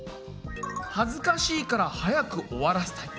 はずかしいからはやく終わらせたい。